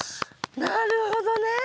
なるほどね。